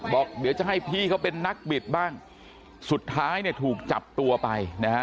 บอกเดี๋ยวจะให้พี่เขาเป็นนักบิดบ้างสุดท้ายเนี่ยถูกจับตัวไปนะฮะ